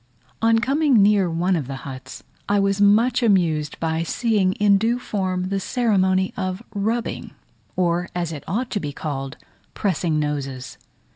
On coming near one of the huts I was much amused by seeing in due form the ceremony of rubbing, or, as it ought to be called, pressing noses.